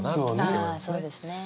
あそうですね。